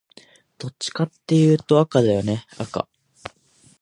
どっちかっていうとね、赤だよね赤